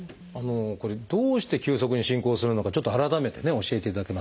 これどうして急速に進行するのかちょっと改めてね教えていただけますでしょうか？